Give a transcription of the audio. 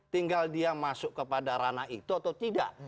tinggal dia masuk kepada ranah itu atau tidak